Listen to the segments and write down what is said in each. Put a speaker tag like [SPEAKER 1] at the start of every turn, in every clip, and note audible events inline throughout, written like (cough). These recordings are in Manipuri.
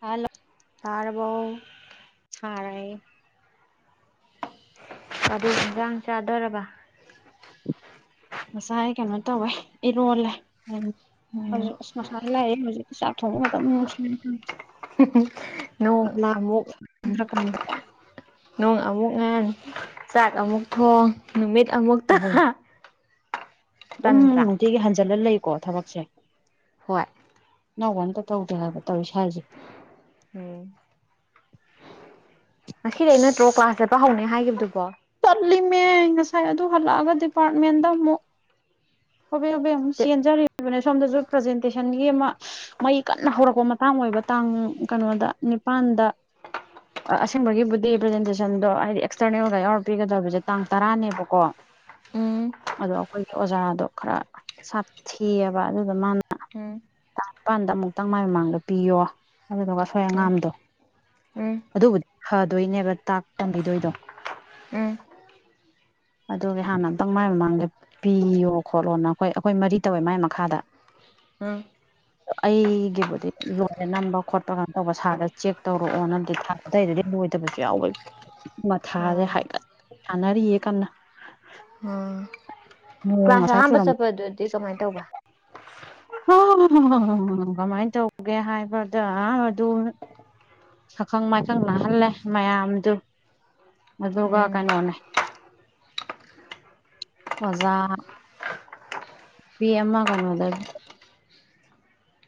[SPEAKER 1] ꯍꯂꯣ
[SPEAKER 2] ꯇꯥꯔꯕꯣ
[SPEAKER 1] ꯇꯔꯦ (inaudible)
[SPEAKER 2] ꯑꯗꯨ ꯌꯦꯟꯁꯥꯡ ꯆꯥꯗꯔꯕ
[SPEAKER 1] ꯉꯁꯥꯏ ꯀꯩꯅꯣ ꯇꯧꯋꯦ ꯏꯔꯣꯜꯂꯦ ꯎꯝ
[SPEAKER 2] ꯎꯝ
[SPEAKER 1] ꯍꯧꯖꯤꯛ ꯑꯁ ꯉꯁꯥꯢ ꯂꯥꯛꯑꯦ ꯍꯧꯖꯤꯛꯇꯤ ꯆꯥꯛ ꯊꯣꯡꯕ ꯃꯇꯝ ꯌꯥꯎꯁꯤꯂꯛꯂꯦ ꯇꯧꯔꯤꯁꯤ
[SPEAKER 2] ꯅꯣꯡ ꯑꯃꯨꯛ
[SPEAKER 1] ꯂꯥꯛꯗ꯭ꯔꯀꯥꯟꯁꯤꯗ
[SPEAKER 2] ꯅꯣꯡ ꯑꯃꯨꯛ ꯉꯥꯟ ꯆꯥꯛ ꯑꯃꯨꯛ ꯊꯣꯡ ꯅꯨꯃꯤꯠ ꯑꯃꯨꯛꯇ
[SPEAKER 1] ꯑꯩꯈꯣꯏ ꯑꯗꯨꯝ ꯅꯨꯡꯇꯤꯒꯤ ꯍꯟꯖꯤꯜꯂ ꯂꯩꯀꯣ ꯊꯕꯛꯁꯦ
[SPEAKER 2] ꯍꯣꯏ
[SPEAKER 1] ꯑꯅꯧꯕ ꯑꯝꯇ ꯇꯧꯗ꯭ꯔꯦ ꯍꯥꯏꯕ ꯇꯧꯔꯤꯁꯦ ꯁꯨꯋꯥꯢꯁꯤ
[SPEAKER 2] ꯎꯝ ꯉꯁꯤꯗꯤ ꯅꯠꯇ꯭ꯔꯣ ꯀ꯭ꯂꯥꯁ ꯆꯠꯄ ꯍꯧꯅꯦ ꯍꯥꯏꯈꯤꯕꯗꯨꯕꯣ
[SPEAKER 1] ꯆꯠꯂꯤꯃꯦ ꯉꯁꯥꯏ ꯑꯗꯨ ꯍꯜꯂꯛꯑꯒ ꯗꯤꯄꯥꯔꯠꯃꯦꯟꯗ ꯑꯃꯨꯛ ꯍꯕꯦ ꯍꯕꯦ ꯑꯃꯛ ꯆꯦꯟꯖꯔꯤꯕꯅꯦ ꯁꯣꯝꯗꯁꯨ ꯄ꯭ꯔꯖꯦꯟꯇꯦꯁꯟ ꯑꯃ ꯃꯩ ꯀꯟꯅ ꯍꯧꯔꯛꯄ ꯃꯇꯥꯡ ꯑꯣꯏꯕ ꯇꯥꯡ ꯀꯩꯅꯣꯗ ꯅꯤꯄꯥꯜꯗ ꯑꯁꯦꯡꯕꯒꯤꯕꯨꯗꯤ ꯄ꯭ꯔꯖꯦꯟꯇꯦꯁꯟꯗꯣ ꯍꯥꯏꯗꯤ ꯑꯦꯛꯁꯇꯔꯅꯦꯜꯒ ꯌꯥꯎꯔꯛꯄꯤꯒꯗꯕꯁꯦ ꯇꯥꯡ ꯇꯔꯥꯅꯦꯕꯀꯣ
[SPEAKER 2] ꯎꯝ
[SPEAKER 1] ꯑꯗꯣ ꯑꯩꯈꯣꯏꯒꯤ ꯑꯣꯖꯥꯗꯣ ꯈꯔ ꯁꯥꯊꯤꯑꯕ ꯑꯗꯨꯗ ꯃꯥꯅ
[SPEAKER 2] ꯎꯝ
[SPEAKER 1] ꯃꯄꯥꯟꯗ ꯑꯃꯨꯛꯇꯪ ꯃꯥꯏ ꯃꯃꯥꯡꯗ ꯄꯤꯌꯣ ꯑꯗꯨꯗꯨꯒ ꯑꯁꯣꯢ ꯑꯉꯥꯝꯗꯣ
[SPEAKER 2] ꯎꯝ
[SPEAKER 1] ꯑꯗꯨꯕꯨꯗꯤ ꯐꯗꯣꯏꯅꯦꯕ ꯇꯥꯛ ꯇꯝꯕꯤꯗꯣꯏꯗꯣ
[SPEAKER 2] ꯎꯝ
[SPEAKER 1] ꯑꯗꯨꯒꯤ ꯍꯥꯟꯅ ꯑꯝꯇꯪ ꯃꯥꯏ ꯃꯃꯥꯡꯗ ꯄꯤꯌꯣ ꯈꯣꯠꯂꯣꯅ ꯑꯩꯈꯣꯏ ꯑꯩꯈꯣꯏ ꯃꯔꯤ ꯇꯧꯋꯦ ꯃꯥꯏ ꯃꯈꯥꯗ
[SPEAKER 2] ꯑꯝ
[SPEAKER 1] ꯑꯩꯒꯤꯕꯨꯗꯤ ꯂꯣꯏꯅ ꯅꯝꯕ ꯈꯣꯠꯄ ꯀ ꯇꯧꯕ ꯁꯥꯔꯗ ꯆꯦꯛ ꯇꯧꯔꯛꯑꯣ ꯅꯗꯤ ꯊꯥꯈꯔꯦ ꯑꯗꯥꯏ ꯂꯣꯏꯗꯕꯁꯨ ꯌꯥꯎꯋꯦ ꯃꯊꯥꯁꯦ
[SPEAKER 2] ꯑꯣ
[SPEAKER 1] ꯍꯥꯏꯀꯠ ꯁꯥꯅꯔꯤꯌꯦ ꯀꯟꯅꯥ
[SPEAKER 2] ꯎꯝ
[SPEAKER 1] ꯑꯣ
[SPEAKER 2] ꯀ꯭ꯂꯥꯁ
[SPEAKER 1] ꯉꯁꯥꯏ
[SPEAKER 2] ꯑꯍꯥꯟꯕ ꯆꯠꯄꯗꯗꯤ ꯀꯃꯥꯏꯅ ꯇꯧꯕ
[SPEAKER 1] ꯍ ꯍ ꯍ ꯀꯃꯥꯏꯅ ꯇꯧꯒꯦ ꯍꯥꯏꯕꯗ ꯑꯗꯨ ꯁꯥꯈꯪ ꯃꯥꯏꯈꯪ ꯅꯥꯍꯜꯂꯦ ꯃꯌꯥꯝꯗꯨ ꯑꯗꯨꯒ
[SPEAKER 2] ꯎꯝ
[SPEAKER 1] ꯀꯩꯅꯣꯅꯦ ꯑꯣꯖꯥ ꯅꯨꯄꯤ ꯑꯃ ꯀꯩꯅꯣꯗ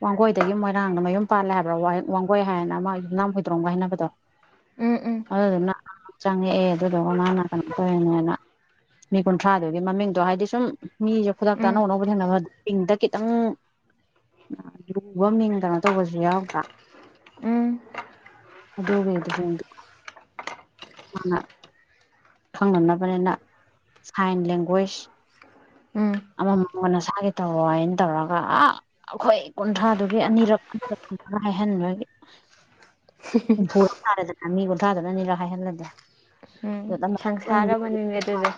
[SPEAKER 1] ꯋꯥꯡꯒꯣꯏꯗꯒꯤ ꯃꯣꯏꯔꯥꯡꯅ ꯃꯌꯨꯝ ꯄꯥꯜꯂꯦ ꯍꯥꯏꯕ꯭ꯔꯥ ꯋꯥꯡꯒꯣꯏ ꯍꯥꯏꯅ ꯑꯃ ꯌꯨꯝꯅꯥꯝ ꯍꯨꯗ꯭ꯔꯣꯝꯒ ꯍꯥꯏꯅꯕꯗꯣ
[SPEAKER 2] (unintelligible)
[SPEAKER 1] ꯑꯗꯨꯗꯨꯅ ꯆꯪꯉꯛꯑꯦ ꯑꯗꯨꯗꯨꯒ ꯃꯅ ꯀꯩꯅꯣ ꯇꯧꯔꯤꯅꯦꯅ ꯃꯤ ꯀꯨꯟꯊ꯭ꯔꯥꯗꯨꯒꯤ ꯃꯃꯤꯡꯗꯣ ꯍꯥꯏꯗꯤ ꯁꯨꯝ ꯃꯤꯁꯦ ꯈꯨꯗꯛꯇ
[SPEAKER 2] ꯎꯝ
[SPEAKER 1] ꯑꯅꯧ ꯑꯅꯧꯕ ꯊꯦꯡꯅꯕ ꯃꯤꯡꯗ ꯈꯤꯇꯪ
[SPEAKER 2] ꯎꯝ
[SPEAKER 1] ꯂꯨꯕ ꯃꯤꯡ ꯀꯩꯅꯣ ꯇꯧꯕꯁꯨ ꯌꯥꯎꯕ꯭ꯔꯥ
[SPEAKER 2] ꯎꯝ
[SPEAKER 1] ꯑꯗꯣ ꯑꯗꯨꯈꯩꯗꯤ ꯑ (inaudible) ꯈꯪꯅꯅꯕꯅꯤꯅ ꯁꯥꯏꯟ ꯂꯦꯡꯒ꯭ꯋꯦꯖ
[SPEAKER 2] ꯎꯝ
[SPEAKER 1] ꯑꯃꯃꯃ ꯅꯁꯥꯒꯤ ꯇꯧꯔꯣ ꯍꯥꯏꯅ ꯇꯧꯔꯒ ꯑ ꯑꯩꯈꯣꯏ ꯀꯨꯟꯊ꯭ꯔꯥꯗꯨꯒꯤ ꯑꯅꯤꯔꯛ ꯑꯅꯤꯛ ꯍꯥꯏꯥꯏꯍꯟꯕꯒꯤ
[SPEAKER 2] (unintelligible)
[SPEAKER 1] ꯍꯨꯝꯐꯨꯗ ꯊꯥꯔꯦꯗꯅ ꯃꯤ ꯀꯨꯟꯊꯥꯗꯅꯅꯤꯔ ꯍꯥꯏꯍꯜꯂꯗꯤꯦ
[SPEAKER 2] ꯎꯝ ꯁꯪꯁꯥꯔ ꯑꯃꯅꯤꯅꯦ ꯑꯗꯨꯁꯨ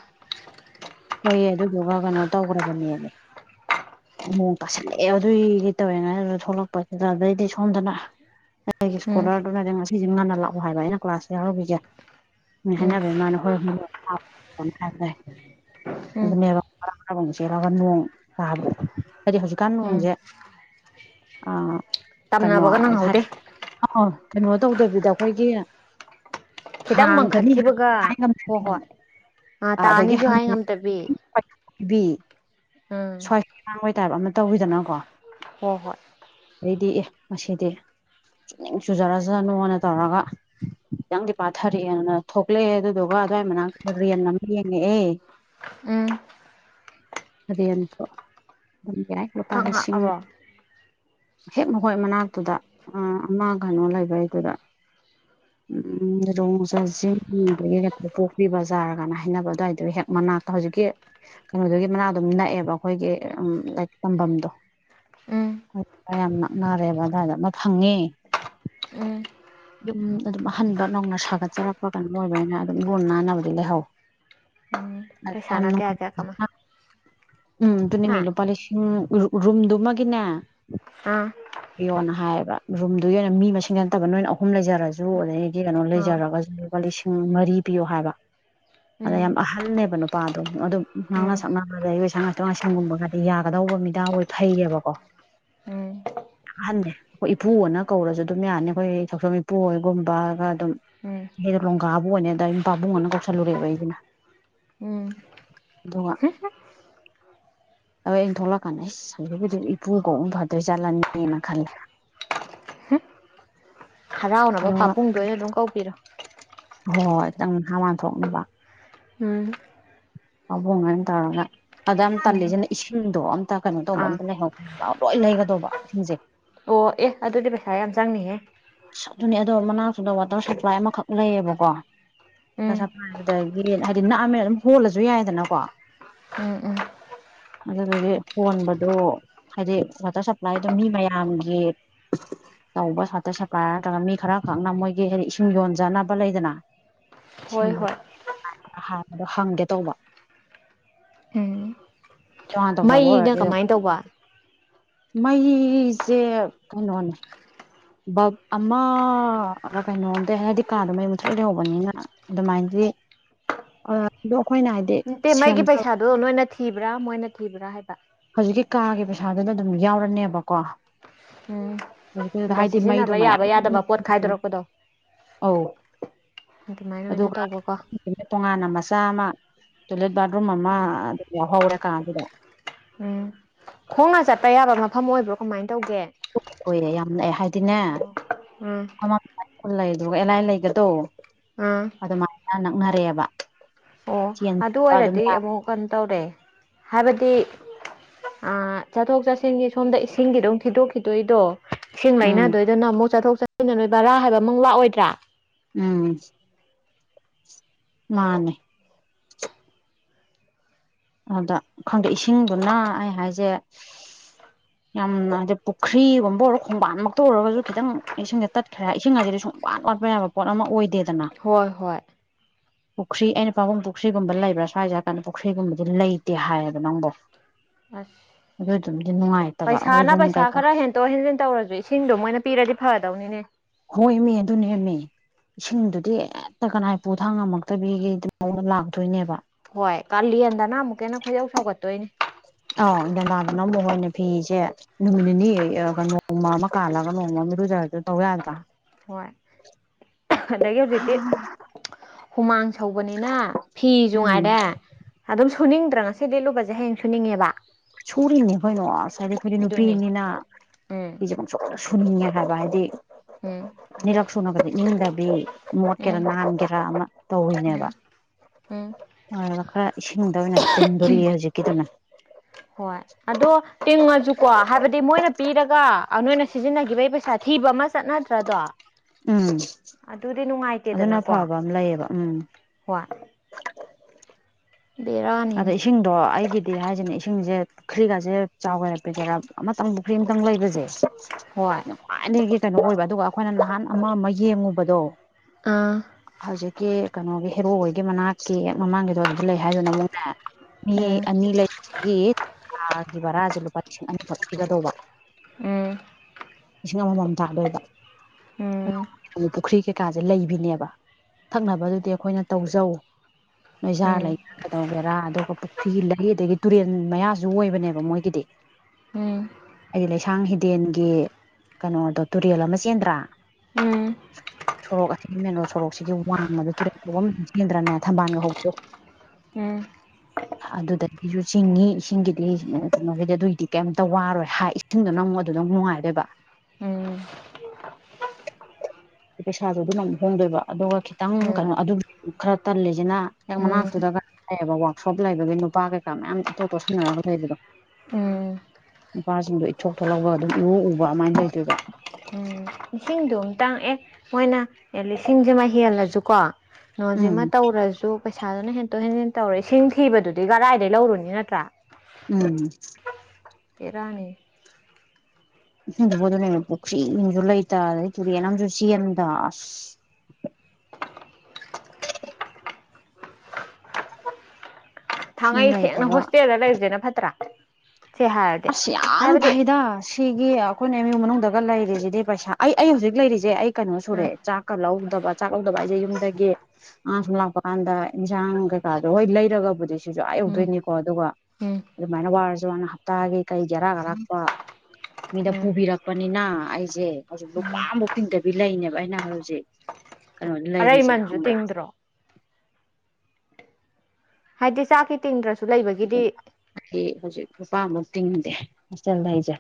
[SPEAKER 1] ꯍꯣꯏꯌꯦ ꯑꯗꯨꯕꯨ ꯋꯥꯒꯅꯨ ꯇꯧꯈ꯭ꯔꯕꯅꯦꯃ ꯅꯣꯡ ꯇꯥꯁꯤꯜꯂꯛꯑꯦ ꯑꯗꯨꯏ ꯀꯩ ꯇꯧꯋꯦꯗ ꯊꯣꯛꯂꯛꯄ ꯑꯗꯨꯗ ꯑꯗꯨꯗꯩꯗꯤ ꯁꯣꯝꯗꯅ ꯑꯩꯒꯤ
[SPEAKER 2] ꯎꯝ
[SPEAKER 1] ꯏꯁꯀꯣꯂꯔꯗꯨꯅ ꯉꯁꯤꯁꯦ ꯉꯟꯅ ꯂꯥꯛꯑꯣ ꯍꯥꯏꯕ ꯑꯩꯅ ꯀ꯭ꯂꯥꯁꯁꯦ ꯌꯥꯎꯔꯈꯤꯒꯦ
[SPEAKER 2] ꯎꯝ
[SPEAKER 1] ꯍꯦꯕ ꯃꯥ ꯍꯣꯏ ꯍꯔ ꯈꯥꯏ
[SPEAKER 2] ꯎꯝ
[SPEAKER 1] ꯑꯗꯨꯅꯦꯕ ꯍ ꯆꯦꯂꯛꯑꯒ ꯅꯣꯡ ꯇꯥꯕꯗꯣ ꯍꯥꯏꯗꯤ ꯍꯧꯖꯤꯛꯀꯥꯟ
[SPEAKER 2] ꯎꯝ
[SPEAKER 1] ꯅꯣꯡꯁꯦ ꯑ ꯀꯩꯅꯣ
[SPEAKER 2] ꯇꯝꯅꯕꯒ
[SPEAKER 1] ꯑ
[SPEAKER 2] ꯅꯪꯍꯧꯗꯦ
[SPEAKER 1] ꯀꯩꯅꯣ ꯇꯧꯗꯕꯤꯗ ꯑꯩꯈꯣꯏꯒꯤ
[SPEAKER 2] ꯈꯤꯇꯪ
[SPEAKER 1] ꯍꯥꯡꯒꯅꯤ ꯍꯥꯏꯕ
[SPEAKER 2] ꯃꯪꯈꯠꯈꯤꯕꯒ
[SPEAKER 1] ꯍꯥꯏ
[SPEAKER 2] ꯍꯣ
[SPEAKER 1] ꯉꯝꯗꯕꯤ
[SPEAKER 2] ꯍꯣꯏ ꯑ ꯇꯥꯅꯤꯁꯨ ꯍꯥꯏ ꯉꯝꯗꯕꯤ
[SPEAKER 1] ꯑꯩꯈꯣꯏꯕꯤ
[SPEAKER 2] ꯎꯝ
[SPEAKER 1] ꯁ꯭ꯋꯥꯏꯊ ꯉꯥꯡꯣꯏ ꯇꯕ ꯑꯃꯝꯇ ꯇꯧꯋꯤꯗꯅꯀꯣ
[SPEAKER 2] ꯍꯣꯏ ꯍꯣꯏ
[SPEAKER 1] ꯑꯩꯗꯤ ꯑꯦ ꯉꯗꯤ ꯆꯨꯅꯤꯡ ꯆꯨꯖꯔꯁꯅꯣꯅ ꯇꯧꯔꯒ ꯈꯤꯇꯪꯗꯤ ꯄꯥꯊꯔꯛꯑꯦꯅ ꯊꯣꯛꯂꯛꯑꯦ ꯑꯗꯨꯗꯨꯒ ꯑꯗꯨꯋꯥꯏ ꯃꯅꯥꯛꯇ ꯔꯦꯟ ꯑꯃ ꯌꯦꯡꯉꯛꯑꯦ
[SPEAKER 2] ꯎꯝ
[SPEAKER 1] ꯑꯗ ꯑꯇ
[SPEAKER 2] ꯐꯪ ꯍꯥꯞꯑꯕꯣ
[SPEAKER 1] ꯄꯂꯤꯁꯤꯉ ꯍꯦꯛ ꯃꯈꯣꯏ ꯃꯅꯥꯛꯇꯨꯗ ꯑꯃ ꯀꯩꯅꯣ ꯂꯩꯕꯩꯗꯨꯗ ꯎꯝꯗꯣꯡꯉꯁꯨ ꯆꯤꯡꯗꯒꯤ ꯀꯩꯅꯣ ꯄꯣꯛꯄꯤꯕꯖꯥꯔꯒꯅ ꯍꯥꯏꯅꯕ ꯑꯗꯨꯋꯥꯏꯗꯣ ꯍꯦꯛ ꯃꯅꯥꯛꯇ ꯍꯧꯖꯤꯛꯀꯤ ꯀꯩꯅꯣꯗꯨꯒꯤ ꯃꯅꯥꯛꯇ ꯑꯗꯨꯝ ꯅꯛꯑꯦꯕ ꯑꯩꯈꯣꯏꯒꯤ ꯎ ꯂꯥꯏꯔꯤꯛ ꯇꯝꯐꯝꯗꯣ
[SPEAKER 2] (unintelligible)
[SPEAKER 1] ꯌꯥꯝ ꯅꯛꯅꯔꯦꯕ ꯑꯗꯨꯋꯥꯏꯗ ꯑꯃ ꯐꯪꯉꯤ
[SPEAKER 2] ꯎꯝ
[SPEAKER 1] ꯌꯨꯝ ꯑꯗꯨꯝ ꯑꯍꯟꯕ ꯅꯧꯅ ꯁꯥꯒꯠꯆꯔꯛꯄ ꯀꯩꯅꯣ ꯑꯣꯏꯕꯅꯤꯅ ꯑꯗꯨꯝ ꯂꯣꯟ ꯅꯥꯟꯅꯕꯗꯤ ꯂꯩꯍꯧꯋ
[SPEAKER 2] (unintelligible) ꯄꯩꯁꯥꯅ ꯀꯌꯥ ꯀꯌꯥ ꯀꯃꯥꯏ
[SPEAKER 1] ꯑ ꯎꯝ
[SPEAKER 2] ꯍꯥ
[SPEAKER 1] ꯑꯗꯨꯅꯦꯃꯤꯂꯣꯄꯥꯂꯤꯁꯤꯡ ꯔꯨꯝꯗꯨꯃꯒꯤꯅꯦ
[SPEAKER 2] ꯎꯝ
[SPEAKER 1] ꯄꯌꯣꯅ ꯍꯥꯏꯌꯦꯕ ꯔꯨꯝꯗꯨꯒꯤ ꯑꯣꯏꯅ ꯃꯤ ꯃꯁꯤꯡ ꯅꯠꯇꯕ ꯅꯣꯏꯅ ꯑꯍꯨꯝ ꯂꯩꯖꯔꯁꯨ ꯑꯗꯩꯗꯤ ꯀꯩꯅꯣ
[SPEAKER 2] ꯑꯥ
[SPEAKER 1] ꯂꯩꯖꯔꯒꯁꯨ ꯂꯨꯄꯥ ꯂꯤꯁꯤꯡ ꯃꯔꯤ ꯄꯤꯌꯣ ꯍꯥꯏꯕ
[SPEAKER 2] ꯎꯝ
[SPEAKER 1] ꯑꯍꯟꯅꯦꯕ ꯅꯨꯄꯥꯗꯣ ꯑꯗꯨꯝ ꯉꯥꯡꯅ
[SPEAKER 2] ꯎꯝ
[SPEAKER 1] ꯁꯛꯅꯕꯗ ꯑꯩꯈꯣꯏꯁꯪ ꯉꯥꯏꯊꯣꯛ ꯉꯥꯏꯁꯤꯟꯒꯨꯝꯕꯒꯗꯤ ꯌꯥꯒꯗꯧꯕ ꯃꯤꯗꯥ ꯑꯣꯏ ꯐ ꯍꯩꯌꯦꯕ ꯀꯣ
[SPEAKER 2] ꯎꯝ
[SPEAKER 1] ꯑꯍꯟꯂꯦ ꯑꯩꯈꯣꯏ ꯏꯄꯨꯅ ꯀꯧꯔꯁꯨ ꯑꯗꯨꯝ ꯌꯥꯅꯤ ꯑꯩꯈꯣꯏ ꯊꯧꯁꯣꯝ ꯏꯄꯨ ꯍꯣꯏꯒꯨꯝꯕꯒ ꯑꯗꯨꯝ
[SPEAKER 2] ꯎꯝ
[SPEAKER 1] ꯑꯩꯗꯣ ꯂꯣꯡꯒꯥꯕꯨ ꯑꯣꯏꯅꯅꯦ ꯑꯗ ꯑꯩ ꯄꯥꯕꯨꯡꯅ ꯀꯧꯁꯜꯂꯨꯔꯦꯕ ꯑꯩꯒꯤꯅ
[SPEAKER 2] ꯎꯝ
[SPEAKER 1] ꯍꯣꯏ ꯑꯩꯅ ꯊꯣꯛꯂꯛꯀꯥꯟꯅꯤ ꯏꯁꯁ ꯍꯧꯖꯤꯛꯕꯨꯗꯤ ꯏꯄꯨꯒꯎꯝ ꯐꯗꯣꯏ ꯆꯥꯠꯂꯅꯤꯅ ꯈꯜꯂꯦ
[SPEAKER 2] ꯍꯔꯥꯎꯅꯕ ꯄꯥꯄꯨꯡꯗ ꯑꯣꯏꯅ ꯑꯗꯨꯝ ꯀꯧꯕꯤꯔꯣ
[SPEAKER 1] ꯍꯣꯏ ꯍꯣꯏ ꯈꯤꯇꯪ ꯍꯃꯥꯟ ꯊꯣꯛꯅꯕ
[SPEAKER 2] ꯎꯝ
[SPEAKER 1] ꯑꯕꯨꯡꯉꯥꯏꯅ ꯇꯧꯔꯒ ꯑꯗ ꯑꯃꯝ
[SPEAKER 2] ꯎꯝ
[SPEAKER 1] ꯇꯜꯂꯤꯁꯤꯅ ꯏꯁꯤꯡꯗꯣ ꯑꯝꯇ ꯀꯩꯅꯣ ꯇꯧꯕ
[SPEAKER 2] ꯑꯥ
[SPEAKER 1] ꯑꯝꯇ ꯂꯩꯍꯧ ꯂ ꯂꯩꯒꯗꯧꯕ ꯁꯤꯁꯤꯡꯁꯦ
[SPEAKER 2] ꯑꯣ ꯑꯦ ꯑꯗꯨꯗꯤ ꯄꯩꯁꯥ ꯌꯥꯝ ꯆꯪꯅꯤꯡꯍꯦ
[SPEAKER 1] ꯑꯗꯨꯅꯦ ꯑꯗꯣ ꯃꯅꯥꯛꯇꯨꯗ ꯋꯥꯇꯔ ꯁꯄ꯭ꯂꯥꯏ ꯑꯃꯈꯛ ꯂꯩꯌꯦꯕꯀꯣ
[SPEAKER 2] ꯎꯝ
[SPEAKER 1] ꯆꯁꯐꯥꯏ ꯑꯗꯒꯤ ꯍꯥꯏꯗꯤ ꯅꯥꯃꯦ ꯑꯗꯨꯝ ꯍꯣꯜꯂꯁꯨ ꯌꯥꯏꯗꯅꯀꯣ
[SPEAKER 2] ꯎꯝ ꯎꯝ
[SPEAKER 1] ꯑꯗꯨꯗꯨꯗꯒꯤ ꯍꯣꯟꯕꯗꯣ ꯍꯥꯏꯗꯤ ꯋꯥꯇꯔ ꯁꯄ꯭ꯂꯥꯏꯗ ꯃꯤ ꯃꯌꯥꯝꯒꯤ ꯇꯧꯕ ꯁꯥꯇ꯭ꯔ ꯁꯔꯄ꯭ꯂꯥꯏꯔ ꯅꯠꯇ꯭ꯔꯒ ꯃꯤ ꯈꯔ ꯈꯛꯅ ꯃꯣꯏꯒꯤ ꯍꯥꯏꯗꯤ ꯏꯁꯤꯡ ꯌꯣꯟꯖꯅꯕ ꯂꯩꯗꯅ
[SPEAKER 2] ꯍꯣꯏ
[SPEAKER 1] ꯁꯦꯝꯕ
[SPEAKER 2] ꯍꯣꯏ
[SPEAKER 1] ꯍꯥꯏꯕꯗꯣ ꯍꯪꯒꯦ ꯇꯧꯕ
[SPEAKER 2] ꯍꯝ
[SPEAKER 1] ꯇꯣꯉꯥꯟ ꯇꯧꯖꯕ
[SPEAKER 2] ꯃꯩꯅ
[SPEAKER 1] ꯑꯣꯏꯔꯗꯤ ꯑꯗꯨꯝ
[SPEAKER 2] ꯀꯃꯥꯏꯅ ꯇꯧꯕ
[SPEAKER 1] ꯃꯩꯁꯦ ꯀꯩꯅꯣꯅꯦ ꯕꯜꯞ ꯑꯃ ꯀꯩꯅꯣꯝꯗ ꯍꯥꯏꯗꯤ ꯀꯥꯗꯨꯃꯩ ꯃꯨꯊꯠ ꯂꯩꯍꯧꯕꯅꯤꯅ ꯑꯗꯨꯃꯥꯏꯅ ꯑꯗꯣ ꯑꯩꯈꯣꯏꯅ ꯍꯥꯏꯗꯤ
[SPEAKER 2] ꯅꯠꯇꯦ ꯃꯩꯒꯤ
[SPEAKER 1] ꯁꯦꯝꯖꯕ
[SPEAKER 2] ꯄꯩꯁꯥꯗꯣ ꯅꯣꯏꯅ ꯊꯤꯕ꯭ꯔꯥ ꯃꯣꯏꯅ ꯊꯤꯕ꯭ꯔꯥ ꯍꯥꯏꯕ
[SPEAKER 1] ꯍꯧꯖꯤꯛꯀꯤ ꯀꯥꯒꯤ ꯄꯩꯁꯥꯗꯨꯗ ꯑꯗꯨꯝ ꯌꯥꯎꯔꯅꯦꯕꯀꯣ
[SPEAKER 2] ꯎꯝ
[SPEAKER 1] ꯍꯧꯖꯤꯛꯀꯤꯗꯨꯢ
[SPEAKER 2] ꯑꯗ
[SPEAKER 1] ꯍꯥꯏꯗꯤ ꯃꯩꯗꯣ
[SPEAKER 2] ꯁꯤꯖꯤꯟꯅꯕ
[SPEAKER 1] ꯃꯌꯥꯝ
[SPEAKER 2] ꯌꯥꯕ ꯌꯥꯗꯕ ꯄꯣꯠ ꯈꯥꯏꯗꯣꯔꯛꯄꯗꯣ
[SPEAKER 1] ꯑꯧ
[SPEAKER 2] ꯑꯗꯨꯃꯥꯏꯅ ꯑꯣꯏꯅ
[SPEAKER 1] ꯑꯗꯨꯒ
[SPEAKER 2] ꯇꯧꯕꯀꯣ
[SPEAKER 1] ꯇꯣꯉꯥꯟꯅ ꯃꯁ ꯆꯥꯃ ꯇꯣꯏꯂꯦꯠ ꯕꯥꯠꯔꯨꯝ ꯑꯃ
[SPEAKER 2] ꯎꯝ
[SPEAKER 1] ꯑꯗꯨꯝ ꯌꯥꯎꯍꯧꯔꯦꯀꯥ ꯑꯗꯨꯗ
[SPEAKER 2] ꯎꯝ ꯈꯣꯡꯅ ꯆꯠꯄ ꯌꯥꯕ ꯃꯐꯝ ꯑꯣꯏꯕ꯭ꯔꯣ ꯀꯃꯥꯏꯅ ꯇꯧꯒꯦ
[SPEAKER 1] ꯍꯣꯏ ꯍꯣꯏꯌꯦ ꯌꯥꯝ ꯅꯛꯑꯦ ꯍꯥꯏꯗꯤꯅꯦ
[SPEAKER 2] ꯑꯣ ꯎꯝ
[SPEAKER 1] ꯎ ꯂꯩꯗꯨꯒ ꯏꯂꯥꯏ ꯂꯩꯒꯗꯣ
[SPEAKER 2] ꯑꯥ
[SPEAKER 1] ꯑꯗꯨꯃꯥꯏꯅ ꯅꯛꯅꯔꯦꯕ
[SPEAKER 2] ꯑꯣ ꯑꯗꯨ
[SPEAKER 1] ꯆꯦꯟꯕ ꯑꯗꯨꯝ
[SPEAKER 2] ꯑꯣꯏꯔꯗꯤ
[SPEAKER 1] ꯌꯥꯕ
[SPEAKER 2] ꯑꯃꯨꯛ ꯀꯩꯅꯣ ꯇꯧꯔꯦ ꯍꯥꯏꯕꯗꯤ ꯏ ꯑ ꯆꯠꯊꯣꯛ ꯆꯠꯁꯤꯟꯒꯤ ꯁꯣꯝꯗ ꯏꯁꯤꯡꯒꯤ ꯑꯗꯨꯣꯝ ꯊꯤꯗꯣꯛ ꯈꯤꯗꯣꯛꯏꯗꯣ ꯏꯁꯤꯡ
[SPEAKER 1] ꯎꯝ
[SPEAKER 2] ꯂꯩꯅꯗꯣꯏꯗꯅ ꯑꯃꯨꯛ ꯆꯠꯊꯣꯛ ꯆꯠꯁꯤꯟꯗ ꯅꯣꯏ ꯕꯔꯥ ꯍꯥꯏꯕ ꯑꯃꯨꯛ ꯂꯥꯛꯑꯣꯏꯗ꯭ꯔꯥ
[SPEAKER 1] ꯎꯝ ꯃꯥꯅꯦ ꯑꯗ ꯈꯪꯗꯦ ꯏꯁꯤꯡꯗꯨꯅ ꯑꯩ ꯍꯥꯏꯁꯦ ꯌꯥꯝꯅ ꯍꯥꯏꯗꯤ ꯄꯨꯈ꯭ꯔꯤꯒꯨꯝꯕ ꯑꯣꯏꯔꯣ ꯈꯣꯡꯕꯥꯟꯃꯛꯇ ꯑꯣꯏꯔꯒꯁꯨ ꯈꯤꯇꯪ ꯏꯁꯤꯡꯁꯦ ꯇꯠꯈ꯭ꯔꯦ ꯏꯁꯤꯡ ꯍꯥꯏꯁꯤꯗꯤ ꯁꯨꯡ ꯋꯥꯠ ꯋꯥꯠꯄ ꯌꯥꯕ ꯄꯣꯠ ꯑꯃ ꯑꯣꯏꯗꯦ
[SPEAKER 2] ꯍꯣꯏ ꯍꯣꯏ
[SPEAKER 1] ꯄꯨꯈ꯭ꯔꯤ ꯑꯩꯅ ꯄꯥꯕꯨꯡ ꯄꯨꯈ꯭ꯔꯤꯒꯨꯝꯕ ꯂꯩꯕ꯭ꯔꯥ ꯁ꯭ꯋꯥꯏꯖ ꯍꯥꯏꯔ ꯀꯥꯟꯗ ꯄꯨꯈ꯭ꯔꯤꯒꯨꯝꯕꯗꯤ ꯂꯩꯇꯦ ꯍꯥꯏꯌꯦꯕ ꯅꯪꯕꯣ ꯑꯗꯨꯏꯗꯨꯝꯗꯤ
[SPEAKER 2] ꯑꯁ
[SPEAKER 1] ꯅꯨꯡꯉꯥꯏꯇꯕ ꯑꯩꯈꯣꯏ
[SPEAKER 2] ꯄꯩꯁꯥꯅ
[SPEAKER 1] ꯔꯨꯝ
[SPEAKER 2] ꯄꯩꯁꯥ
[SPEAKER 1] ꯀꯩꯀꯥ
[SPEAKER 2] ꯈꯔ ꯍꯦꯟꯇꯣꯛ ꯍꯦꯟꯖꯤꯟ ꯇꯧꯔꯁꯨ ꯏꯁꯤꯡꯗꯣ ꯃꯣꯏꯅ ꯄꯤꯔꯗꯤ ꯐꯗꯧꯅꯤꯅꯦ
[SPEAKER 1] ꯍꯣꯏ ꯃꯤ ꯑꯗꯨꯅꯦꯃꯦ ꯏꯁꯤꯡꯗꯨꯗꯤ ꯍꯦꯛꯇ ꯀꯅꯥꯏ ꯄꯨꯊꯥꯡꯉꯝꯃꯛꯇꯕꯤꯒꯤ ꯃꯑꯣꯗ ꯂꯥꯛꯇꯣꯏꯅꯦꯕ
[SPEAKER 2] ꯍꯣꯏ ꯀꯥꯂꯦꯟꯗꯅ ꯑꯃꯨꯛꯀꯦꯅ ꯈꯣꯏꯌꯧ ꯁꯧꯒꯠꯇꯣꯏꯅꯤ
[SPEAKER 1] ꯑꯥꯎ ꯏꯟꯗꯗꯥꯗꯅ ꯑꯃꯨꯛ ꯃꯣꯏꯅ ꯐꯤꯁꯦ ꯅꯨꯃꯤꯠ ꯅꯤꯅꯤ ꯑ ꯅꯣꯡꯃ ꯑꯃ ꯀꯥꯜꯂꯒ ꯅꯣꯡꯃ ꯖꯔ ꯇꯧꯋ ꯌꯥꯔ
[SPEAKER 2] ꯍꯣꯏ ꯑꯗꯗꯒꯤ ꯍꯧꯖꯤꯛꯇꯤ ꯍꯨꯃꯥꯡ ꯁꯧꯕꯅꯤꯅ ꯐꯤꯁꯨ
[SPEAKER 1] ꯎꯝ
[SPEAKER 2] ꯉꯥꯏꯔꯦ ꯑꯗꯨꯝ ꯁꯨꯅꯤꯡꯗ꯭ꯔꯥ ꯉꯁꯤꯗꯤ ꯂꯨꯕꯁꯦ ꯍꯌꯦꯡ ꯁꯨꯅꯤꯡꯉꯦꯕ
[SPEAKER 1] ꯁꯨꯔꯤꯅꯤ ꯀꯩꯅꯣ ꯉꯁꯥꯏꯒꯤ ꯑꯩꯈꯣꯏꯗꯤ
[SPEAKER 2] ꯑꯗꯨꯅꯤ
[SPEAKER 1] ꯅꯨꯄꯤꯅꯤꯅ
[SPEAKER 2] ꯎꯝ
[SPEAKER 1] ꯏꯖꯝ ꯆ ꯁꯅꯤꯡꯉꯦ ꯍꯥꯏꯕ ꯍꯥꯏꯗꯤ
[SPEAKER 2] ꯍꯝ
[SPEAKER 1] ꯅꯤꯔꯛ ꯁꯨꯅꯕꯗ ꯏꯪꯗꯕꯤ
[SPEAKER 2] ꯎꯝ
[SPEAKER 1] ꯃꯣꯠꯀꯦꯔꯥ ꯅꯥꯟꯒꯦꯔꯥ ꯑꯃ
[SPEAKER 2] ꯎꯝ
[SPEAKER 1] ꯇꯧꯋꯅꯦꯕ
[SPEAKER 2] ꯎꯝ
[SPEAKER 1] ꯑ ꯈꯔ ꯏꯁꯤꯡꯗ ꯑꯣꯏꯅ ꯆꯪꯗꯣꯔꯤꯌꯦ ꯍꯧꯖꯤꯛꯀꯤꯗꯨꯅ
[SPEAKER 2] ꯍꯣꯏ ꯑꯗꯣ ꯇꯤꯡꯉꯁꯨꯀꯣ ꯍꯥꯏꯕꯗꯤ ꯃꯣꯏꯅ ꯄꯤꯔꯒ ꯑ ꯅꯣꯏꯅ ꯁꯤꯖꯤꯟꯅꯈꯤꯕꯒꯤ ꯄꯩꯁꯥ ꯊꯤꯕ ꯑꯃ ꯆꯠꯅꯗ꯭ꯔꯗꯣ
[SPEAKER 1] ꯎꯝ
[SPEAKER 2] ꯑꯗꯨꯗꯤ ꯅꯨꯡꯉꯥꯏ
[SPEAKER 1] ꯑꯗꯨꯅ ꯐꯕ ꯑꯝ ꯂꯩꯌꯦꯕ ꯎꯝ
[SPEAKER 2] ꯍꯣꯏ
[SPEAKER 1] ꯑꯗ
[SPEAKER 2] ꯕꯦꯔꯥꯅꯤꯅꯦ
[SPEAKER 1] ꯏꯁꯤꯡꯗꯣ ꯑꯩꯒꯤꯗꯤ ꯍꯥꯏꯁꯤꯅꯦ ꯏꯁꯤꯡꯁꯦ ꯄꯨꯈ꯭ꯔꯤꯒꯁꯦ ꯆꯥꯎꯦꯅ ꯄꯤꯒꯦꯔꯥ ꯑꯃꯇꯪ ꯔꯤ ꯑꯇꯪ ꯂꯩꯕꯁꯦ
[SPEAKER 2] ꯍꯣꯏ
[SPEAKER 1] ꯅꯨꯡꯉꯥꯏꯅꯤ ꯀꯩꯅꯣ ꯑꯣꯏꯕ ꯑꯗꯨꯒ ꯑꯩꯈꯣꯏꯅ ꯅꯍꯥꯟ ꯑꯃ ꯑꯃ ꯌꯦꯡꯉꯨꯕꯗꯣ
[SPEAKER 2] ꯑꯥ
[SPEAKER 1] ꯍꯧꯖꯤꯛꯀꯤ ꯀꯩꯅꯣꯒꯤ ꯍꯦꯔꯣ ꯍꯣꯏꯒꯤ ꯃꯅꯥꯛꯀꯤ ꯃꯃꯥꯡꯒꯤꯗꯣ ꯑꯗꯨꯝ ꯂꯩ ꯍꯥꯏꯗꯨꯅ ꯑꯃꯨꯛꯅꯦ
[SPEAKER 2] ꯎꯝ ꯎꯝ ꯎꯝ ꯎꯝ ꯎꯝ ꯎꯝ ꯎꯝ ꯎꯝ
[SPEAKER 1] ꯃꯤ ꯑꯅꯤ ꯂꯩꯕꯒꯤ ꯊꯥꯒꯤ ꯕꯔꯥꯁꯦ ꯂꯨꯄꯥ ꯂꯤꯁꯤꯡ ꯑꯅꯤꯈꯛ ꯄꯤꯒꯗꯧꯕ
[SPEAKER 2] ꯎꯝ
[SPEAKER 1] ꯏꯁꯤꯡ ꯑꯃꯃꯝ ꯆꯥꯗꯣꯏꯕ ꯄꯨꯈ꯭ꯔꯤ ꯀꯩꯀꯥꯁꯦ ꯂꯩꯕꯤꯅꯦꯕ ꯊꯛꯅꯕꯗꯨꯗꯤ ꯑꯩꯈꯣꯏꯅ ꯇꯧꯖꯧ ꯅꯣꯏꯖꯥꯔ ꯂꯩꯒ ꯇꯧꯒꯦꯔꯥ ꯑꯗꯨꯒ ꯄꯨꯈ꯭ꯔꯤ ꯂꯩ ꯑꯗꯒꯤ ꯇꯨꯔꯦꯜ ꯃꯌꯥꯁꯨ ꯑꯣꯏꯕꯅꯦꯕ ꯃꯣꯏꯒꯤꯗꯤ ꯑꯩꯗꯤ ꯂꯩꯁꯥꯡ ꯍꯤꯗꯦꯟꯒꯤ ꯀꯩꯅꯣꯗꯣ ꯇꯨꯔꯦꯜ ꯑꯃ ꯆꯦꯟꯗ꯭ꯔꯥ
[SPEAKER 2] ꯎꯝ
[SPEAKER 1] ꯁꯣꯔꯣꯛ ꯑꯁꯤꯒꯤ ꯃꯦꯟꯔꯣ ꯁꯣꯔꯣꯛꯁꯤꯒꯤ ꯋꯥꯡꯃꯗ ꯇꯨꯔꯠ ꯐꯧꯕ ꯑꯃ ꯆꯦꯟꯗ꯭ꯔꯅꯦ ꯊꯝꯕꯥꯜꯒ ꯍꯧꯕꯗꯣ
[SPEAKER 2] ꯎꯝ
[SPEAKER 1] ꯑꯗꯨꯗꯒꯤꯁꯨ ꯆꯤꯡꯉꯤ ꯏꯁꯤꯡꯒꯤꯗꯤ ꯀꯩꯅꯣꯒꯤꯗꯤ ꯑꯗꯨꯒꯤꯗꯤ ꯀꯩꯝꯇ ꯋꯥꯔꯣꯏ ꯏꯁꯤꯡꯗꯨꯣ ꯅꯪ ꯑꯗꯨꯗ ꯅꯨꯡꯉꯥꯏꯔꯦꯕ
[SPEAKER 2] ꯎꯝ
[SPEAKER 1] ꯄꯩꯁꯥꯁꯨꯣ ꯑꯗꯨꯝ ꯌꯥꯝ ꯍꯣꯡꯗꯣꯏꯕ ꯑꯗꯨꯒ ꯈꯤꯇꯪ ꯀꯩꯅꯣ ꯑꯗꯨ ꯈꯔ ꯇꯜꯂꯤꯁꯤꯅ ꯍ ꯃꯅꯥꯛꯇꯨꯗ ꯑꯩꯅꯒ ꯋꯥꯛꯁꯣꯞ ꯂꯩꯕꯒꯤ ꯅꯨꯄꯥ ꯀꯩꯀꯥ ꯃꯌꯥꯝ ꯏꯇꯣꯠ ꯇꯣꯠꯁꯟꯅꯔꯒ ꯂꯩꯕꯗꯣ
[SPEAKER 2] ꯎꯝ
[SPEAKER 1] ꯅꯨꯄꯥꯁꯤꯡꯗꯣ ꯏꯠꯊꯣꯛ ꯊꯣꯛꯂꯛꯒ ꯑꯗꯨꯝ ꯏꯎ ꯎꯕ ꯑꯝꯃꯥꯏ ꯂꯩꯗꯣꯏꯕ
[SPEAKER 2] ꯎꯝ ꯏꯁꯤꯡꯗꯨꯝꯇꯪ ꯑꯦ ꯃꯣꯏꯅ ꯂꯤꯁꯤꯡꯖꯤꯃ ꯍꯦꯜꯂꯁꯨꯀꯣ
[SPEAKER 1] ꯎꯝ
[SPEAKER 2] ꯅꯣꯖꯤꯃ ꯇꯧꯔꯁꯨ ꯄꯩꯁꯥꯗꯨꯅ ꯍꯦꯟꯇꯣꯛ ꯍꯦꯟꯖꯤꯟ ꯇꯧꯔꯦ ꯏꯁꯤꯡ ꯊꯤꯕꯗꯨꯗꯤ ꯀꯔꯥꯏꯗꯩ ꯂꯧꯔꯨꯅꯤ ꯅꯠꯇ꯭ꯔꯥ
[SPEAKER 1] ꯎꯝ
[SPEAKER 2] ꯕꯦꯔꯥꯅꯤ
[SPEAKER 1] ꯏꯁꯤꯡꯗꯨꯕꯨ ꯑꯗꯨꯅꯤꯅꯦ ꯄꯨꯛꯈ꯭ꯔꯤ ꯑꯃꯖꯨ ꯂꯩꯇ ꯑꯗꯩ ꯇꯨꯔꯦꯜ ꯑꯃꯖꯨ ꯆꯦꯟꯗꯥ ꯑꯁ
[SPEAKER 2] (unintelligible)
[SPEAKER 1] ꯏꯁꯤꯡ
[SPEAKER 2] ꯊꯥꯡꯉꯩ ꯁꯦꯡꯅ
[SPEAKER 1] ꯂꯩꯇꯕ
[SPEAKER 2] ꯍꯣꯁꯇꯦꯜꯗ ꯂꯩꯕꯖꯤꯅ ꯐꯠꯇ꯭ꯔꯥ ꯁꯦ ꯍꯥꯏꯔꯗꯤ
[SPEAKER 1] ꯑꯁ ꯌꯥꯝ
[SPEAKER 2] ꯍꯥꯏꯕꯗꯤ
[SPEAKER 1] ꯐꯩꯗ ꯁꯤꯒꯤ ꯑꯩꯈꯣꯏꯅ ꯑꯦꯝ ꯌꯨ ꯃꯅꯨꯡꯗ ꯂꯩꯔꯤꯖꯤꯗꯤ ꯄꯩꯁꯥ ꯑꯩ ꯑꯩ ꯍꯧꯖꯤꯛ ꯂꯩꯔꯤꯖꯦ ꯑꯩ ꯀꯩꯅꯣ ꯁꯨꯔꯦ
[SPEAKER 2] ꯎꯝ
[SPEAKER 1] ꯆꯥꯛꯀ ꯂꯧꯗꯕ ꯆꯥꯛ ꯂꯧꯗꯕ ꯑꯩꯖꯦ ꯌꯨꯝꯗꯒꯤ ꯃꯥ ꯁꯨꯝ ꯂꯥꯛꯄꯀꯥꯟꯗ ꯏꯤꯟꯖꯥꯡ ꯀꯩꯀꯥ ꯂꯣꯏ ꯂꯩꯔꯒꯕꯨꯗꯤ ꯁꯤꯖꯨ ꯑꯥ
[SPEAKER 2] ꯎꯝ
[SPEAKER 1] ꯌꯧꯗꯣꯏꯅꯤꯀꯣ ꯑꯗꯨꯒ
[SPEAKER 2] ꯎꯝ
[SPEAKER 1] ꯑꯗꯨꯃꯥꯏꯟꯅ ꯋꯥꯔꯖꯨ ꯋꯥꯅ ꯍꯞꯇꯥꯒꯤ ꯀꯩꯒꯤ ꯑꯔꯥꯛ ꯑꯔꯥꯛꯄ ꯃꯤꯗ
[SPEAKER 2] ꯎꯝ
[SPEAKER 1] ꯄꯨꯕꯤꯔꯛꯄꯅꯤꯅ ꯑꯩꯁꯦ ꯍꯧꯖꯤꯛ ꯂꯨꯄꯥ
[SPEAKER 2] ꯎꯝ
[SPEAKER 1] ꯑꯝꯕꯧ ꯇꯤꯡꯗꯕꯤ ꯂꯩꯅꯦꯕ ꯑꯩꯅ ꯍꯧꯖꯤꯛ ꯀꯩꯅꯣꯗ ꯂꯩꯔꯤꯖꯦ
[SPEAKER 2] ꯑꯔꯩꯃꯟꯁꯨ
[SPEAKER 1] ꯈꯪꯕ꯭ꯔꯥ
[SPEAKER 2] ꯇꯤꯡꯗ꯭ꯔꯣ ꯍꯥꯏꯗꯤ ꯆꯥꯛꯀꯤ ꯇꯤꯡꯗ꯭ꯔꯁꯨ ꯂꯩꯕꯒꯤꯗꯤ
[SPEAKER 1] ꯍꯧꯖꯤꯛ ꯂꯨꯄꯥꯝꯕꯧ ꯇꯤꯡꯗꯦ ꯍꯣꯁꯇꯦꯜ ꯂꯩꯁꯦ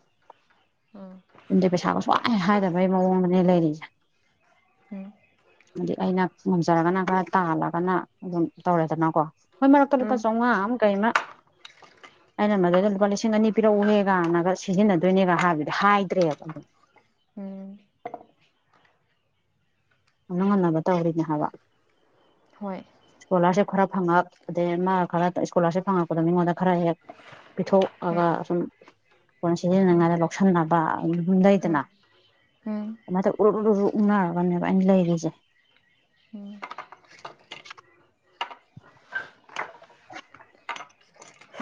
[SPEAKER 2] ꯎꯝ
[SPEAKER 1] ꯌꯨꯝꯗꯩ ꯄꯩꯁꯥꯒ ꯁꯨꯍꯥꯏ ꯍꯥꯏꯗꯕꯩ ꯃꯋꯣꯡꯗꯅꯦ ꯂꯩꯔꯤꯁꯦ
[SPEAKER 2] ꯎꯝ
[SPEAKER 1] ꯗꯤ ꯑꯩꯅ ꯉꯝꯖꯔꯒꯅ ꯈꯔ ꯇꯥꯜꯂꯒꯅ ꯑꯗꯨꯝ ꯇꯧꯔꯦꯗꯅꯀꯣ ꯍꯣꯏ ꯃꯔꯛꯇ ꯂꯨꯄꯥ
[SPEAKER 2] ꯎꯝ
[SPEAKER 1] ꯆꯧꯉꯥꯃ ꯀꯩꯃ ꯑꯩꯅ ꯃꯗꯩꯗ ꯂꯨꯄꯥ ꯂꯤꯁꯤꯡ ꯑꯅꯤ ꯄꯤꯔꯛꯎꯍꯦꯒꯟꯅꯒ ꯁꯤꯖꯤꯟꯅꯗꯣꯏꯅꯦꯒ ꯍꯥꯏꯕꯗꯤ ꯍꯥꯏꯗ꯭ꯔꯦꯕ ꯑꯗꯨꯝ
[SPEAKER 2] ꯎꯝ
[SPEAKER 1] ꯉꯝꯅ ꯉꯟꯅꯕ ꯇꯧꯔꯤꯅꯦ ꯍꯥꯏꯕ
[SPEAKER 2] ꯍꯣꯏ
[SPEAKER 1] ꯏꯁ꯭ꯀꯣꯂꯔꯁꯤꯞ ꯈꯔ ꯐꯪꯉꯛꯄꯗꯩ ꯃꯥ ꯈꯔ ꯁ꯭ꯀꯣꯂꯥꯔꯁꯤꯞ ꯐꯪꯉꯛꯄꯗ ꯃꯤꯉꯣꯟꯗ ꯈꯔ ꯍꯦꯛ ꯄꯤꯊꯣꯛ
[SPEAKER 2] ꯎꯝ
[SPEAKER 1] ꯑꯒ ꯁꯨꯝ ꯀꯣꯟꯅ
[SPEAKER 2] ꯎꯝ
[SPEAKER 1] ꯁꯤꯖꯤꯟꯅꯤꯉꯥꯏꯅ ꯂꯧꯁꯟꯅꯕ ꯑꯗꯨꯝ
[SPEAKER 2] ꯎꯝ
[SPEAKER 1] ꯂꯩꯗꯅ
[SPEAKER 2] ꯎꯝ
[SPEAKER 1] ꯑꯗꯨꯃꯥꯢ ꯇꯧꯔ ꯎꯔꯨ ꯎꯔꯨ ꯎꯪꯅꯔꯒꯅꯦꯕ ꯑꯩꯅ ꯂꯩꯥꯔꯤꯖꯦ
[SPEAKER 2] ꯎꯝ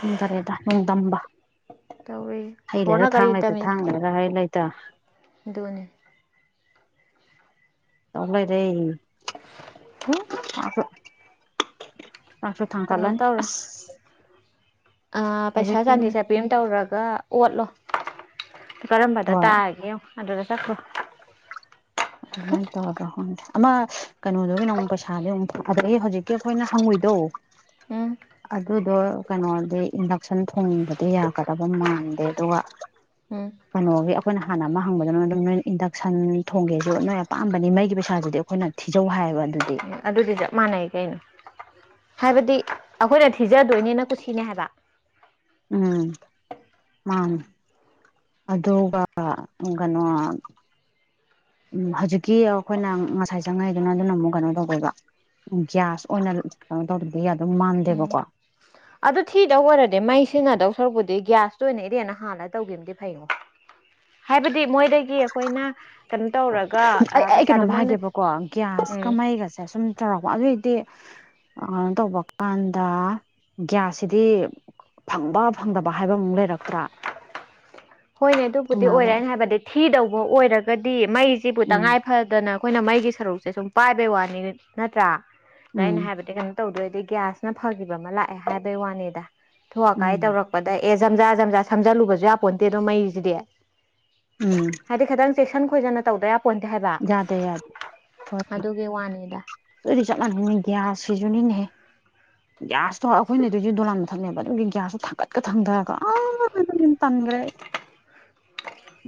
[SPEAKER 1] ꯎꯝ ꯗꯔꯦꯗ ꯅꯣꯡꯗꯝꯕ
[SPEAKER 2] ꯇꯧꯔꯤ
[SPEAKER 1] ꯍꯩ ꯂꯩꯔ
[SPEAKER 2] ꯏꯁꯣꯔꯅ
[SPEAKER 1] ꯊꯥꯡ ꯂꯩꯇ ꯊꯥꯡ ꯂꯩꯔ ꯍꯩ ꯂꯩꯇꯦ ꯇꯥ
[SPEAKER 2] ꯗꯨꯅꯤ
[SPEAKER 1] ꯇꯧ ꯂꯩꯔꯦ
[SPEAKER 2] ꯎꯝ
[SPEAKER 1] ꯆꯥꯛꯁꯨ ꯆꯥꯛꯁꯨ ꯊꯥꯡ
[SPEAKER 2] ꯀꯩꯅꯣ
[SPEAKER 1] ꯀꯠꯂꯅꯤ
[SPEAKER 2] ꯇꯧꯔꯣ
[SPEAKER 1] ꯑꯁ
[SPEAKER 2] ꯑ ꯄꯩꯁꯥ
[SPEAKER 1] ꯍꯧꯖꯤꯛꯀꯤ
[SPEAKER 2] ꯆꯥꯟꯗꯤ ꯆꯄꯤ ꯑꯃ ꯇꯧꯔꯒ ꯑꯣꯠꯂꯣ ꯀꯔꯝꯕꯗ
[SPEAKER 1] ꯍꯣꯏ
[SPEAKER 2] ꯇꯥꯔꯒꯦ ꯌꯦꯡꯉꯣ ꯑꯗꯨꯗ ꯆꯠꯈ꯭ꯔꯣ
[SPEAKER 1] ꯑꯗꯨꯃꯥꯏꯟ ꯇꯧꯔꯗ꯭ꯔꯥ ꯈꯪꯗꯦ ꯑꯃ ꯀꯩꯅꯣꯗꯨꯒꯤꯅ ꯑꯃꯨꯛ ꯄꯩꯁꯥꯗꯤ ꯑꯃꯨꯛ ꯊꯥꯗ꯭ꯔꯛꯌꯦ ꯍꯧꯖꯤꯛꯀꯤ ꯑꯩꯈꯣꯏꯅ ꯍꯪꯉꯨꯢ ꯗꯣ
[SPEAKER 2] ꯎꯝ
[SPEAKER 1] ꯑꯗꯨꯗꯣ ꯀꯩꯅꯣꯗꯤ ꯏꯟꯗꯛꯁꯟ ꯊꯣꯡꯕꯗꯤ ꯌꯥꯒꯗꯕ ꯃꯥꯟꯗꯦ ꯑꯗꯨꯒ
[SPEAKER 2] ꯎꯝ ꯎꯝ
[SPEAKER 1] ꯀꯩꯅꯣꯒꯤ ꯑꯩꯈꯣꯏꯅ ꯍꯥꯟꯅ ꯑꯃ ꯍꯪꯕꯗ ꯑꯗꯨꯝ ꯅꯣꯏ ꯏꯟꯗꯛꯁꯟ ꯊꯣꯡꯒꯦꯖꯨ ꯅꯣꯏ ꯑꯄꯥꯝꯕꯅꯤ ꯃꯩꯒꯤ ꯄꯩꯁꯥꯗꯨꯗꯤ ꯑꯩꯈꯣꯏꯅ ꯊꯤꯖꯧ ꯍꯥꯏꯕ ꯑꯗꯨꯗꯤ
[SPEAKER 2] ꯑꯗꯨꯗꯤ ꯆꯞ ꯃꯥꯟꯅꯩ ꯀꯩꯅꯣ ꯍꯥꯏꯕꯗꯤ ꯑꯩꯈꯣꯏꯅ ꯊꯤꯖꯗꯣꯏꯅꯤꯅ ꯀꯨꯁꯤꯅꯦ ꯍꯥꯏꯕ
[SPEAKER 1] ꯎꯝ ꯃꯥꯅꯦ ꯑꯗꯨꯒ ꯑ ꯀꯩꯅꯣ ꯎꯝ ꯍꯧꯖꯤꯛꯀꯤ ꯑꯩꯈꯣꯏꯅ ꯉꯁꯥꯏ ꯆꯪꯉꯛꯏꯗꯨꯅ ꯑꯗꯨꯅ ꯃꯨꯛ ꯀꯩꯅꯣ ꯇꯧꯗꯣꯢꯕ ꯒ꯭ꯌꯥꯁ ꯑꯣꯏꯅ ꯀꯩꯅꯣ ꯇꯧꯗ꯭ꯔꯗꯤ ꯌꯥꯗꯧ
[SPEAKER 2] ꯎꯝ
[SPEAKER 1] ꯃꯥꯟꯗꯦꯕꯀꯣ
[SPEAKER 2] ꯑꯗꯨ ꯊꯤꯗꯧ ꯑꯣꯏꯔꯗꯤ ꯃꯩ ꯁꯤꯖꯤꯟꯗꯧ ꯁꯔꯨꯛꯄꯨꯗꯤ ꯒ꯭ꯌꯥꯁꯇꯨ ꯑꯣꯏꯅ ꯏꯔꯦꯟꯅ ꯍꯥꯥꯜꯂ ꯇꯧꯒꯤꯝꯅꯗꯤ ꯐꯩꯉꯣ ꯍꯥꯏꯕ ꯗꯤ ꯃꯣꯏꯗꯒꯤ ꯑꯩꯈꯣꯏꯅ ꯀꯩꯅꯣ ꯇꯧꯔꯒ
[SPEAKER 1] ꯑꯩ ꯑꯩ
[SPEAKER 2] ꯄꯩꯁꯥꯗꯣ ꯃꯣꯏꯅ ꯎꯝ
[SPEAKER 1] ꯁꯦ ꯁꯨꯝ ꯇꯧꯔꯛꯄ ꯑꯗꯨꯑꯣꯏꯗꯤ ꯀꯩꯅꯣ ꯇꯧꯕ ꯀꯥꯟꯗ ꯒ꯭ꯌꯥꯁꯁꯤꯗꯤ ꯐꯪꯕ ꯐꯪꯗꯕ ꯍꯥꯏꯕꯃꯨꯛ ꯂꯩꯔꯛꯇ꯭ꯔꯥ
[SPEAKER 2] ꯍꯣꯏꯅꯦ ꯑꯗꯨꯕꯨꯗꯤ
[SPEAKER 1] ꯐꯪꯅꯕ
[SPEAKER 2] ꯑꯣꯏꯔꯦꯅ ꯍꯥꯏꯕꯗꯤ ꯊꯤꯗꯧꯕ ꯑꯣꯏꯔꯒꯗꯤ ꯃꯩꯁꯤꯕꯨ
[SPEAKER 1] ꯎꯝ
[SPEAKER 2] ꯇꯉꯥꯏ ꯐꯗꯅ ꯑꯩꯈꯣꯏꯅ ꯃꯩꯒꯤ ꯁꯔꯨꯛꯁꯦ ꯁꯨꯝ ꯄꯥꯏꯕꯩ ꯋꯥꯅꯤ ꯅꯠꯇ꯭ꯔꯥ ꯑꯗ
[SPEAKER 1] ꯎꯝ
[SPEAKER 2] ꯑꯩꯅ ꯍꯥꯏꯕꯗꯤ ꯀꯣ ꯇꯧꯗꯣꯏꯗꯤ ꯒ꯭ꯌꯥꯁꯅ ꯐꯈꯤꯕ ꯑꯃ ꯂꯥꯛꯑꯦ ꯍꯥꯏꯕꯒꯤ ꯋꯥꯅꯤꯗ ꯊ ꯑꯀꯥꯏ
[SPEAKER 1] ꯎꯝ
[SPEAKER 2] ꯇꯧꯔꯛꯄꯗ ꯑꯦ ꯖꯝꯖꯥ ꯖꯝꯖꯥ ꯁꯝꯖꯜꯂꯨꯕꯁꯨ ꯌꯥꯄꯣꯟꯟꯇꯦ ꯑꯗꯣ ꯃꯩꯁꯤꯗꯤ
[SPEAKER 1] ꯎꯝ
[SPEAKER 2] ꯍꯥꯏꯗꯤ ꯈꯤꯇꯪ ꯏꯁꯟ ꯈꯣꯏꯖꯅ ꯇꯧꯗꯕ
[SPEAKER 1] ꯌꯥꯗꯦ ꯌꯥꯗꯦ
[SPEAKER 2] ꯑꯗꯨꯒꯤ ꯋꯥꯅꯤꯗ
[SPEAKER 1] ꯑꯗꯨꯗꯤ ꯆꯃꯥꯅꯤꯒ ꯁꯤꯖꯅꯦ ꯒ꯭ꯌꯥꯁꯇꯣ ꯑꯩꯈꯣꯏꯅ ꯑꯗꯨꯁꯨ ꯗꯣꯂꯥꯟ ꯃꯊꯛꯅꯦꯕ ꯑꯗꯨꯒꯤ ꯒ꯭ꯌꯥꯁꯇꯣ ꯊꯥꯡꯒꯠꯀ ꯊꯥꯡꯊꯔꯒ ꯇꯝꯈꯔꯦ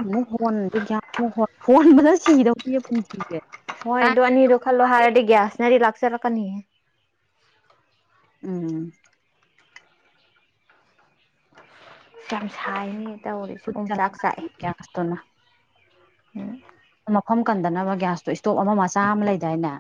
[SPEAKER 1] ꯑꯃꯨꯛ ꯍꯣꯟꯗꯤ ꯒꯌꯥ ꯍꯣꯟ ꯍꯣꯟꯕꯅ ꯁꯤꯗꯧ ꯄꯌꯦ ꯄꯨꯟꯁꯤꯁꯦ
[SPEAKER 2] ꯍꯣꯏ ꯑꯗꯨ ꯑꯅꯤꯗꯨ ꯈꯜ ꯂꯣ
[SPEAKER 1] ꯀꯗꯥꯏꯗꯒꯤ
[SPEAKER 2] ꯍꯥꯔꯗꯤ ꯭ꯌꯥꯁꯅꯦꯗꯤ ꯂꯥꯛꯁꯔꯥꯛꯀꯅꯤꯦ
[SPEAKER 1] ꯎꯝ
[SPEAKER 2] ꯌꯥꯝ ꯁꯥꯏꯅꯤ ꯇꯧꯔꯤꯁ
[SPEAKER 1] ꯈꯨꯠ
[SPEAKER 2] ꯑꯣꯝꯆꯥꯛ ꯆꯥꯛꯑꯦ
[SPEAKER 1] ꯆꯥꯛꯂꯛꯀꯗꯣꯏꯅꯤ ꯒ꯭ꯌꯥꯁꯇꯨꯅ
[SPEAKER 2] ꯎꯝ
[SPEAKER 1] ꯃꯐꯝ ꯀꯟꯗꯅꯕ ꯒ꯭ꯌꯥꯁꯇꯣ ꯏꯁꯇꯣꯞ ꯑꯃ ꯃꯆꯥ ꯑꯃ ꯂꯩꯗꯥꯏꯅꯦ